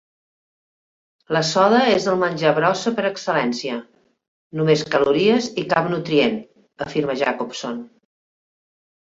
"La soda és el menjar brossa per excel·lència, només calories i cap nutrient", afirma Jacobson.